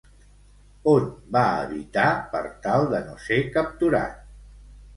On va habitar, per tal de no ser capturat?